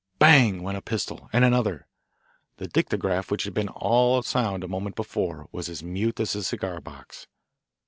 Bang! went a pistol, and another. The dictograph, which had been all sound a moment before, was as mute as a cigar box.